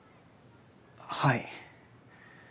はい。